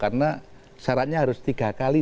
karena syaratnya harus tiga kali